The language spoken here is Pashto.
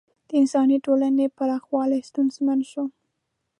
د انساني ټولنې پراخوالی ستونزمن شو.